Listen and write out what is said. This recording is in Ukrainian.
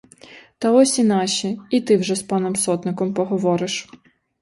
Та ось і наші, і ти вже з паном сотником поговориш.